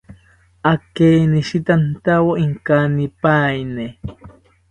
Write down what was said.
Akeinishitantawo inkanipaeni